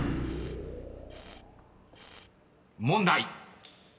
［問題］